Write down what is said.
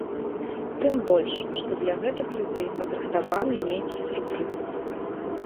Тым больш, што для гэтых людзей падрыхтаваны нейкі сюрпрыз.